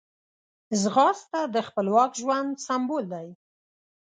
ځغاسته د خپلواک ژوند سمبول دی